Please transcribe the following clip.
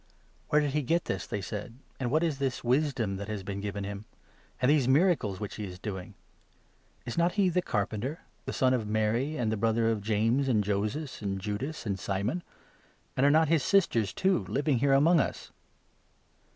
"Where did he get this?" they said, "and what is this wisdom that has been given him ? and these miracles which he is doing ? Is not he the carpenter, the son of Mary, and 3 the brother of James, and Joses, and Judas, and Simon ? And are not his sisters, too, living here among us